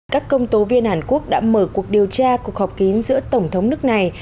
các công tố viên hàn quốc đã mở cuộc điều tra cuộc họp kín giữa tổng thống nước này